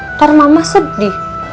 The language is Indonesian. ntar mama sedih